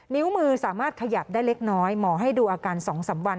นิ้วมือสามารถขยับได้เล็กน้อยหมอให้ดูอาการ๒๓วัน